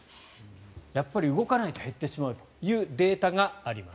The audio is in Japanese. やっぱり動かないと減ってしまうというデータがあります。